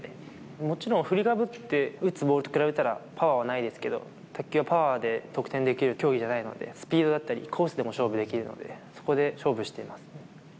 もちろん振りかぶって打つボールと比べたら、パワーはないですけど、卓球はパワーで得点できる競技じゃないので、スピードだったり、コースでも勝負できるので、そこで勝負してます。